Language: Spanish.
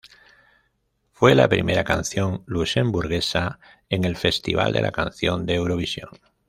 Fue la primera canción luxemburguesa en el Festival de la Canción de Eurovisión.